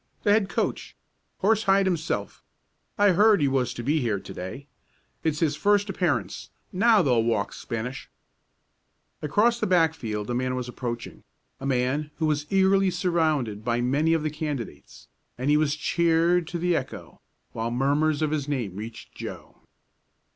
"The head coach Horsehide himself. I heard he was to be here to day. It's his first appearance. Now they'll walk Spanish." Across the back field a man was approaching a man who was eagerly surrounded by many of the candidates, and he was cheered to the echo, while murmurs of his name reached Joe.